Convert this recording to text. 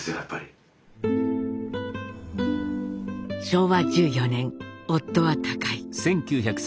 昭和１４年夫は他界。